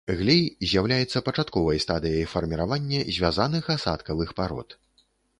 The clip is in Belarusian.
Глей з'яўляецца пачатковай стадыяй фарміравання звязаных асадкавых парод.